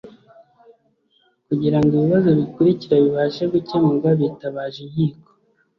Kugira ngo ibibazo bikurikira bibashe gukemurwa bitabaje inkiko